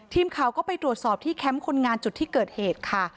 ทีมข่าวก็ไปตรวจสอบที่แคมป์คนงานจุดที่เกิดเหตุค่ะ